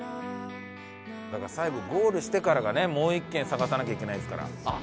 最後ゴールしてからがねもう１軒探さなきゃいけないですから。